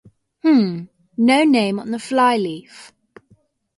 H'm — no name on the fly-leaf.